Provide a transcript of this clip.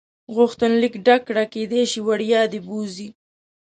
غوښتنلیک ډک کړه کېدای شي وړیا دې بوځي.